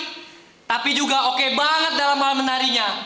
tapi juga oke banget dalam hal menarinya